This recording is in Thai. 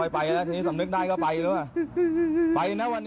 ไปน่ะว่ะซะ